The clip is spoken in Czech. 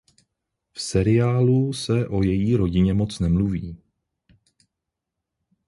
V seriálu se o její rodině moc nemluví.